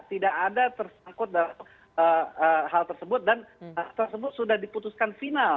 tidak ada tersangkut dalam hal tersebut dan hal tersebut sudah diputuskan final